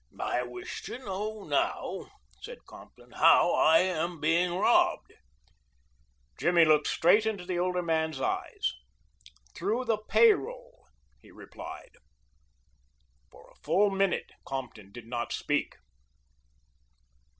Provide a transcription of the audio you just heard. "I wish to know now," said Compton, "how I am being robbed." Jimmy looked straight into the older man's eyes. "Through the pay roll," he replied. For a full minute Compton did not speak.